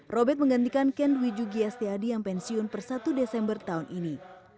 robert menggantikan kendwi jukias teadi yang pensiun per satu desember tahun ini